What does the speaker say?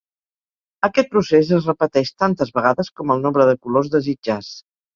Aquest procés es repeteix tantes vegades com el nombre de colors desitjats.